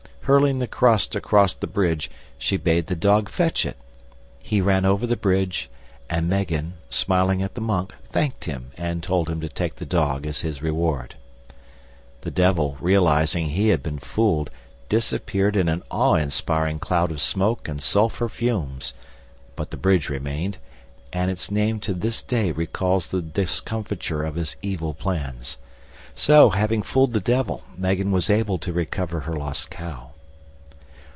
Hurling the crust across the bridge she bade the dog fetch it. He ran over the bridge, and Megan, smiling at the monk, thanked him, and told him to take the dog as his reward. The devil, realising that he had been fooled, disappeared in an awe inspiring cloud of smoke and sulphur fumes; but the bridge remained, and its name to this day recalls the discomfiture of his evil plans. So, having fooled the devil, Megan was able to recover her lost cow.